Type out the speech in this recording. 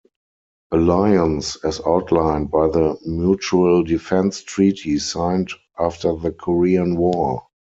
Alliance, as outlined by the Mutual Defense Treaty signed after the Korean War.